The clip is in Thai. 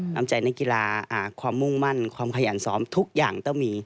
น้ำใจนักกีฬาความมุ่งมั่นความขยันซ้อมทุกอย่างต้องมี